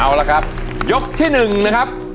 เอาละครับยกที่๑นะครับ